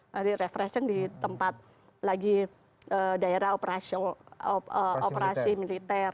jadi refreshing di tempat lagi daerah operasi militer